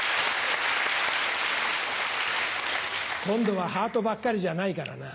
今度はハートばっかりじゃないからな。